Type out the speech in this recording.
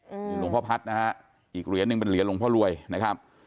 นี่หลวงพ่อพัฒน์นะฮะอีกเหรียญหนึ่งเป็นเหรียญหลวงพ่อรวยนะครับ